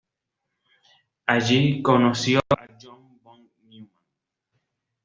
Allí conoció a John von Neumann.